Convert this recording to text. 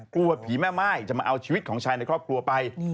กลัวผีแม่ม่ายจะมาเอาชีวิตของชายในครอบครัวไป